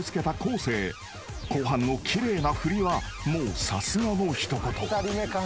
［後半の奇麗な振りはもうさすがの一言］